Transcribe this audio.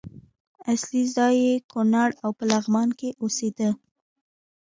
اصلي ځای یې کونړ او په لغمان کې اوسېده.